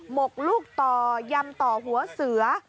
หกลูกต่อยำต่อหัวเสือ